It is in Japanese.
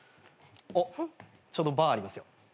あっちょうどバーありますよ。